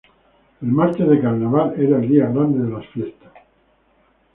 El martes de carnaval era el día grande de las fiestas.